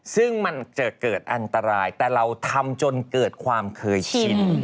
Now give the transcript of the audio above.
ซึ่งมันจะเกิดอันตรายแต่เราทำจนเกิดความเคยชิน